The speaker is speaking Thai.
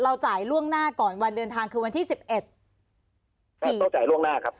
จ่ายล่วงหน้าก่อนวันเดินทางคือวันที่สิบเอ็ดครับต้องจ่ายล่วงหน้าครับ